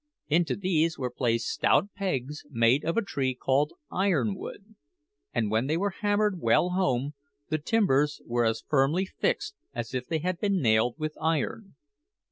Into these were placed stout pegs made of a tree called iron wood, and when they were hammered well home, the timbers were as firmly fixed as if they had been nailed with iron.